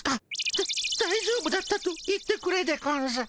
だだいじょうぶだったと言ってくれでゴンス。